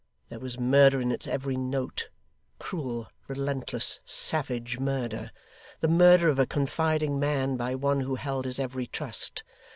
There was murder in its every note cruel, relentless, savage murder the murder of a confiding man, by one who held his every trust.